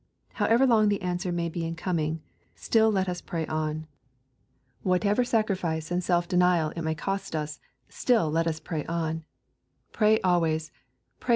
However long the answer may be in coming, still lot us pray on. Whatever sacrifice and self denial it may cost lis, still let us pray on, " pray always," —" pray 264 EXPOSITORY THOUGHTS.